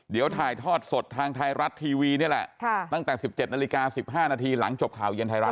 เดี๋ยวถ่ายทอดสดทางไทยรัฐทีวีนี่แหละตั้งแต่๑๗นาฬิกา๑๕นาทีหลังจบข่าวเย็นไทยรัฐ